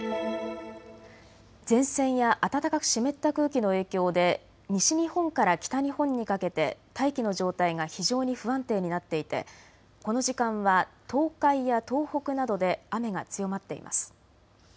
前線や暖かく湿った空気の影響で西日本から北日本にかけて大気の状態が非常に不安定になっていてこの時間は東海や東北などで雨が強まっています。